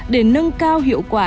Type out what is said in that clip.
để nâng cao hiệu quả